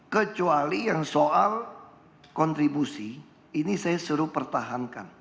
kecuali yang soal kontribusi ini saya suruh pertahankan